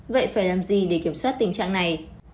vậy phải làm gì để kiểm soát tình trạng này